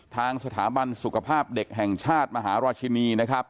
ทางสถาบันสุขภาพเด็กแห่งชาติมหาราชินีนะครับ